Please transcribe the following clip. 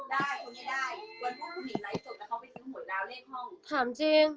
ถามจริง